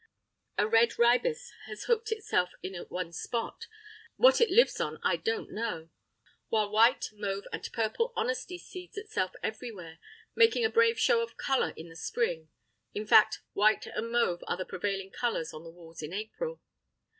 A red ribis has hooked itself in at one spot; what it lives on I don't know; while white, mauve and purple Honesty seeds itself everywhere, making a brave show of colour in the spring. In fact, white and mauve are the prevailing colours on the walls in April.